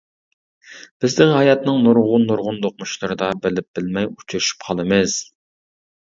بىز تېخى ھاياتنىڭ نۇرغۇن-نۇرغۇن دوقمۇشلىرىدا بىلىپ بىلمەي ئۇچرىشىپ قالىمىز.